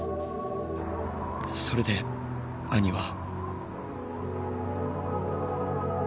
それで兄は。